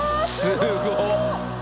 すごっ！